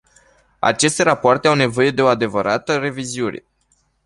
Aceste rapoarte au nevoie de o adevărat revizuire.